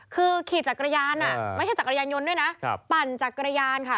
คือขี่จักรยานอ่ะไม่ใช่จักรยานยนต์ด้วยนะปั่นจักรยานค่ะ